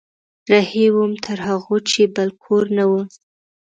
رهي وم تر هغو چې بل کور نه و